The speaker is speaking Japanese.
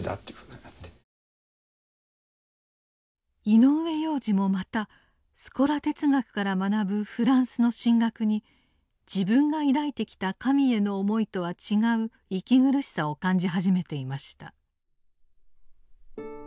井上洋治もまたスコラ哲学から学ぶフランスの神学に自分が抱いてきた神への思いとは違う息苦しさを感じ始めていました。